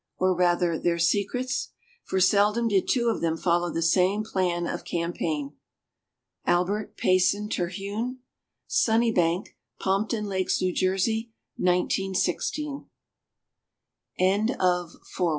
Or, rather, their secrets? For seldom did two of them follow the same plan of campaign. ALBERT PAYSON TERHUNE "Sunnybank," Pompton Lakes, New Jersey 1916 CONTENTS